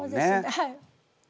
はい！